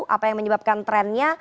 apa yang menyebabkan trendnya